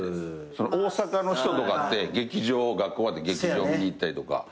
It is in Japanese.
大阪の人とかって学校終わって劇場見に行ったりとか。